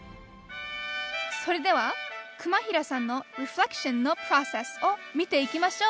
それでは熊平さんのリフレクションのプロセスを見ていきましょう！